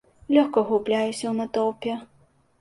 Лёгка губляюся ў натоўпе.